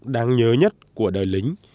đáng nhớ nhất của đời lính